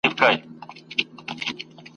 ولاړم بندیوانه زولنې راپسي مه ګوره ..